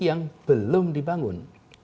yang belum dibangun